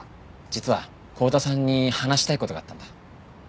実は幸田さんに話したい事があったんだ。